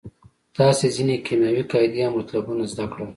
تاسې ځینې کیمیاوي قاعدې او مطلبونه زده کړل.